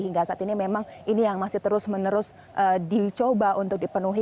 hingga saat ini memang ini yang masih terus menerus dicoba untuk dipenuhi